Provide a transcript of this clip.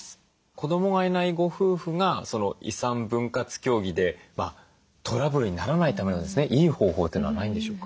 子どもがいないご夫婦が遺産分割協議でトラブルにならないためのいい方法というのはないんでしょうか？